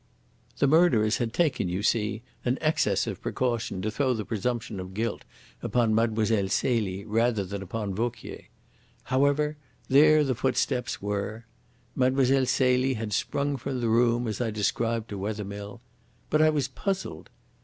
The murderers had taken, you see, an excess of precaution to throw the presumption of guilt upon Mlle. Celie rather than upon Vauquier. However, there the footsteps were. Mlle. Celie had sprung from the room as I described to Wethermill. But I was puzzled.